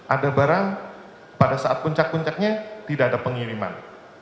ada barang pada saat puncak puncaknya tidak ada pengiriman